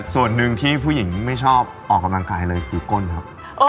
ส่วนหนึ่งที่ผู้หญิงไม่ชอบออกกำลังกายเลยคือก้นครับ